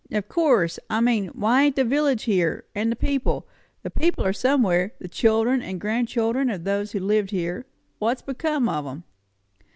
"Of course! I mean, why ain't the village here, and the people? The people are somewhere the children and grandchildren of those that lived here; what's become of 'em?"